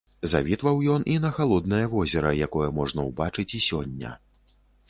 Завітваў ён і на халоднае возера, якое можна ўбачыць і сёння.